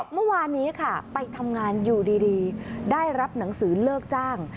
เมื่อวานนี้ค่ะไปทำงานอยู่ดีได้รับหนังสือเลิกจ้าง